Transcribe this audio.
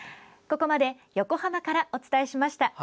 ここまで横浜からお伝えしました。